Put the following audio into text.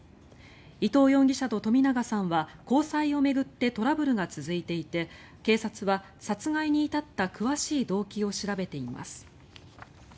伊藤容疑者と冨永さんは交際を巡ってトラブルが続いていて警察は殺害に至った詳しい動機を調べています。